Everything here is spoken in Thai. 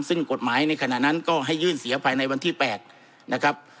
ซึ่งกฎหมายในขณะนั้นก็ให้ยื่นเสียภายในวันที่๘นะครับ